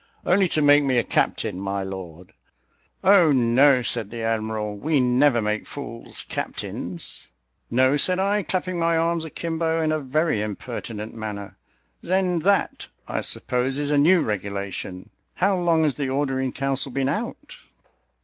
"Only to make me a captain, my lord." "Oh, no," said the admiral, "we never make fools captains." "No" said I, clapping my arms akimbo in a very impertinent manner, "then that, I suppose, is a new regulation. How long has the order in council been out?"